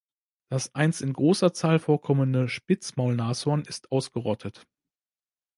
Das einst in großer Zahl vorkommende Spitzmaulnashorn ist ausgerottet.